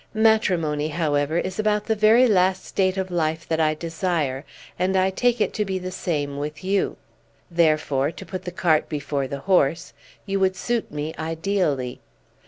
Matrimony, however, is about the very last state of life that I desire, and I take it to be the same with you. Therefore to put the cart before the horse you would suit me ideally.